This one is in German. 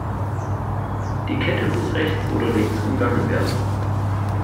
Die Kette muss rechts oder links umgangen werden.